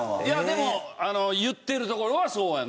でも言ってるところはそうやんな。